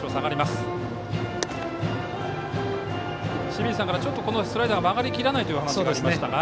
清水さんからスライダーが曲がりきらないという話がありましたが。